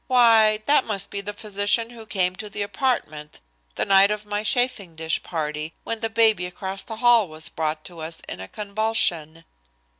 "Why! that must be the physician who came to the apartment the night of my chafing dish party, when the baby across the hall was brought to us in a convulsion."